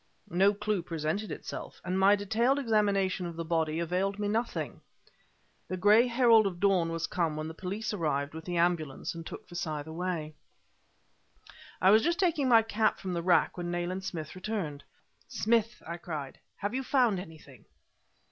No clue presented itself; and my detailed examination of the body availed me nothing. The gray herald of dawn was come when the police arrived with the ambulance and took Forsyth away. I was just taking my cap from the rack when Nayland Smith returned. "Smith!" I cried "have you found anything?"